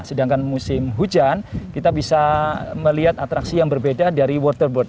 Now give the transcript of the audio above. sedangkan musim hujan kita bisa melihat atraksi yang berbeda dari waterboard